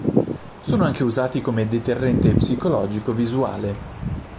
Sono anche usati come deterrente psicologico visuale.